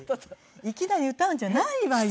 いきなり歌うんじゃないわよ。